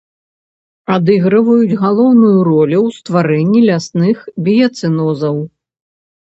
Адыгрываюць галоўную ролю ў стварэнні лясных біяцэнозаў.